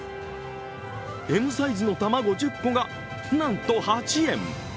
Ｍサイズの卵１０個が、なんと８円。